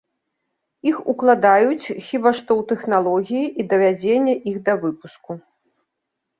Іх укладаюць хіба што ў тэхналогіі і давядзенне іх да выпуску.